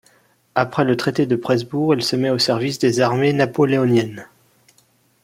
Après le traité de Presbourg, il se met au service des armées napoléoniennes.